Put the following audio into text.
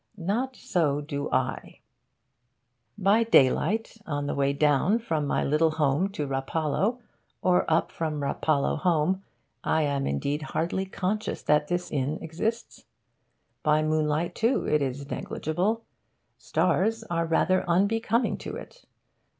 Not so do I. By daylight, on the way down from my little home to Rapallo, or up from Rapallo home, I am indeed hardly conscious that this inn exists. By moonlight, too, it is negligible. Stars are rather unbecoming to it.